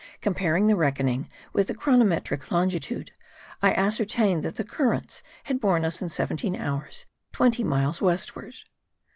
Comparing the reckoning with the chronometric longitude, I ascertained that the currents had borne us in seventeen hours twenty miles westward.